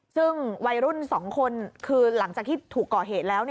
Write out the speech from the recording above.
ซึ่งวัยรุ่น๒คนคือหลังจากที่ถูกก่อเหตุแล้ว